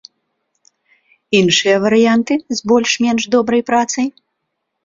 Іншыя варыянты з больш-менш добрай працай?